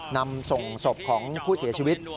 นำส่งศพของผู้เสียชีวิต